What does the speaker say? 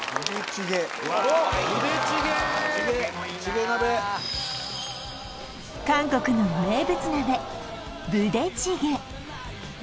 チゲ鍋韓国の名物鍋ブデチゲ